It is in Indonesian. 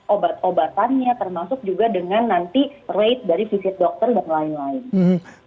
obat obatannya termasuk juga dengan nanti rate dari visit dokter dan lain lain